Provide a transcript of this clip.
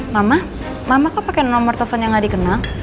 mama mama kok pake nomor teleponnya gak dikenal